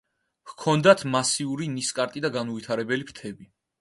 ჰქონდათ მასიური ნისკარტი და განუვითარებელი ფრთები.